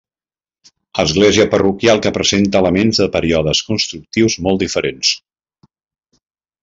Església parroquial que presenta elements de períodes constructius molt diferents.